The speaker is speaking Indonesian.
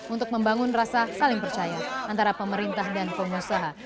untuk membangun rasa saling percaya antara pemerintah dan pengusaha